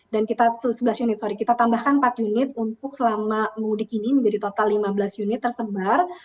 dan kita sebelas unit sorry kita tambahkan empat unit untuk selama mudik ini menjadi total lima belas unit tersebar